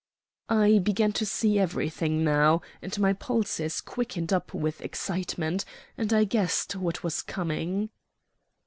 I began to see everything now, and my pulses quickened up with excitement; and I guessed what was coming.